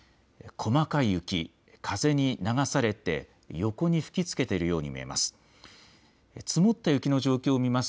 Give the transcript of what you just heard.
細かい雪、風に流されて横に吹きつけているように見えます。